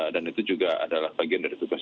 itu juga adalah bagian dari tugas